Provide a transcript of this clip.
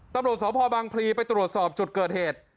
ตำรวจสพบังพลีไปตรวจสอบจุดเกิดเหตุ